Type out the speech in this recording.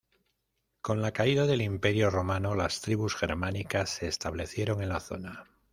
Con la caída del Imperio romano las tribus germánicas se establecieron en la zona.